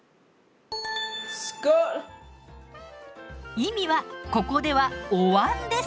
意味はここでは「お椀」です。